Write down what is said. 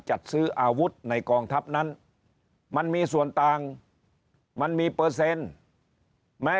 จัดซื้ออาวุธในกองทัพนั้นมันมีส่วนต่างมันมีเปอร์เซ็นต์แม้